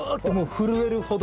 震えるほど？